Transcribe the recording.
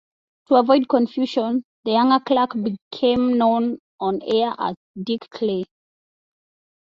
To avoid confusion, the younger Clark became known on-air as "Dick Clay".